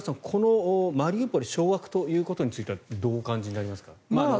このマリウポリ掌握ということについてはどうお感じになりますか？